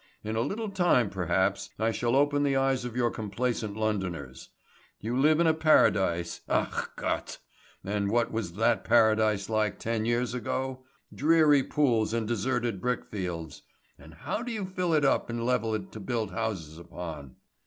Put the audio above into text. In a little time, perhaps, I shall open the eyes of your complacent Londoners. You live in a paradise, ach Gott! And what was that paradise like ten years ago? Dreary pools and deserted brickfields. And how do you fill it up and level it to build houses upon?"